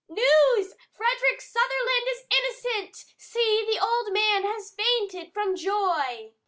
"News! Frederick Sutherland is innocent! See! the old man has fainted from joy!"